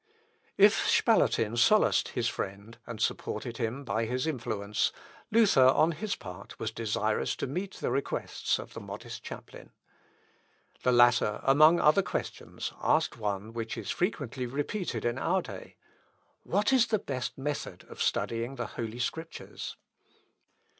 If Spalatin solaced his friend, and supported him by his influence, Luther on his part was desirous to meet the requests of the modest chaplain. The latter, among other questions, asked one which is frequently repeated in our day, "What is the best method of studying the Holy Scriptures?"